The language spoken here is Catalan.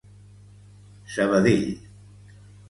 Sabadell.